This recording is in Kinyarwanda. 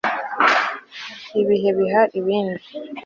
ibihe biha ibindi